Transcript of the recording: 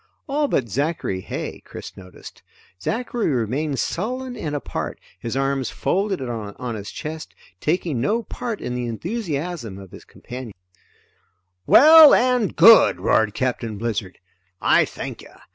All but Zachary Heigh, Chris noticed. Zachary remained sullen and apart, his arms folded on his chest, taking no part in the enthusiasm of his companions. "Well and good," roared Captain Blizzard. "I thank you.